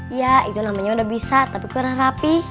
iya itu namanya udah bisa tapi kurang rapih